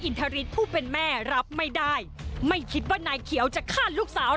ทริสผู้เป็นแม่รับไม่ได้ไม่คิดว่านายเขียวจะฆ่าลูกสาว